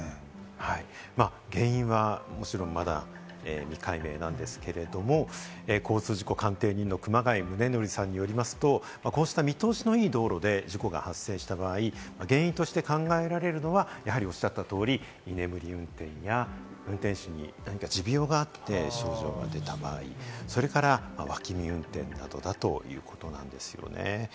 原因はまだ未解明なんですけれど、交通事故鑑定人の熊谷宗徳さんによりますと、こうした見通しのいい道路で事故が発生した場合、原因として考えられるのは、やはりおっしゃった通り、居眠り運転や運転手に何か持病があって症状が出た場合、それから脇見運転などだということなんですよね。